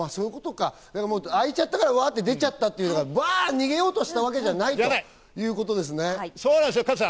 開いちゃったから、わって出ちゃったっていう、わっと逃げようとしたわけじゃないってこそうなんですよ、加藤さん。